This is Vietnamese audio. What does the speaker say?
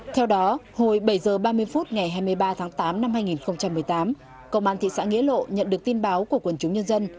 theo đó hồi bảy h ba mươi phút ngày hai mươi ba tháng tám năm hai nghìn một mươi tám công an thị xã nghĩa lộ nhận được tin báo của quần chúng nhân dân